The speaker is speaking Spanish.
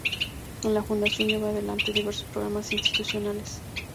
En la Fundación lleva adelante diversos Programas Institucionales.